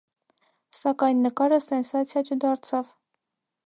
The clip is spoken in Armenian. Սակայն նկարը սենսացիա չդարձավ։